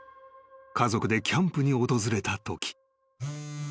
家族でキャンプに訪れたとき］